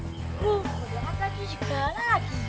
aku jalan lagi sekarang lagi